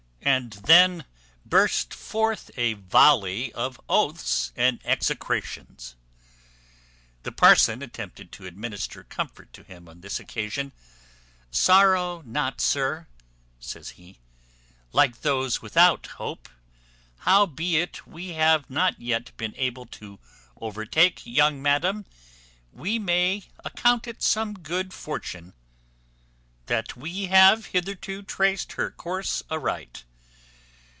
And then burst forth a volley of oaths and execrations. The parson attempted to administer comfort to him on this occasion. "Sorrow not, sir," says he, "like those without hope. Howbeit we have not yet been able to overtake young madam, we may account it some good fortune that we have hitherto traced her course aright.